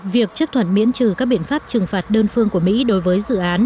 việc chấp thuận miễn trừ các biện pháp trừng phạt đơn phương của mỹ đối với dự án